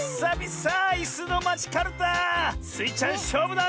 スイちゃんしょうぶだ！